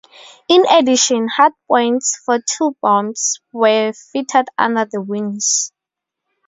In addition, hardpoints for two bombs were fitted under the wings.